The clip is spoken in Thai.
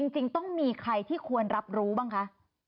จริงต้องมีใครที่ควรรับรู้บ้างคะ